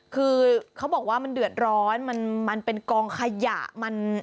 คือเขาบอกว่ามันเดือดร้อนมันเป็นกองขยะ